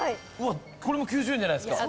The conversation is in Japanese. これも９０円じゃないですか。